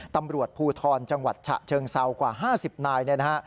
ตำรวจภูทรจังหวัดฉะเชิงเซากว่า๕๐นายเนี่ยนะฮะ